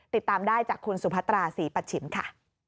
ติดตามได้จากคุณสุพัตราศรีปัชชิมค่ะ